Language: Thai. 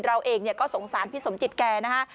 เราเองก็สงสารพี่สมจิตแกนะฮะ